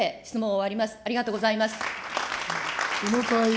ありがとうございます。